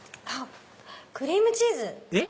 クリームチーズ⁉えっ？